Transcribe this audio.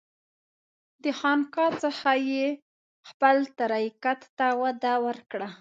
دې خانقاه څخه یې خپل طریقت ته وده ورکړه.